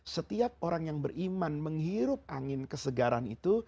setiap orang yang beriman menghirup angin kesegaran itu